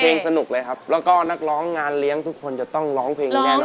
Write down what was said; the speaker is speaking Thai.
สนุกเลยครับแล้วก็นักร้องงานเลี้ยงทุกคนจะต้องร้องเพลงนี้แน่นอน